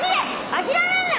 諦めんな！」